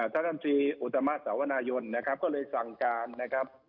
ท่านลำตรีอุตมะสาวนายนนะครับก็เลยสั่งการนะครับ